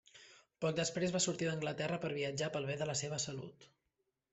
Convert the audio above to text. Poc després, va sortir d'Anglaterra per viatjar pel bé de la seva salut.